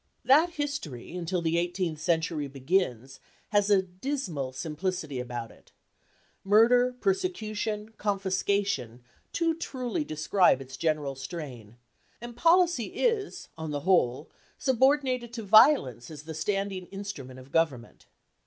That history, until the eighteenth century begins, has a dismal simplicity about it. Murder, persecution, confiscation too truly describe its general strain; and policy is on the whole subordinated to violence as the standing instrument of government.